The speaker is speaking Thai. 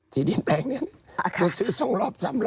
ที่ดินแปลงเนี่ยมาซื้อสองรอบสามรอบ